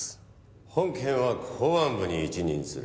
本件は公安部に一任する。